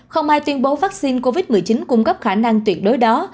không ai tuyên bố vaccine covid một mươi chín cung cấp khả năng tuyệt đối đó